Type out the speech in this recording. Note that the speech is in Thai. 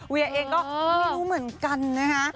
เวียเองก็ไม่รู้เหมือนกันนะคะ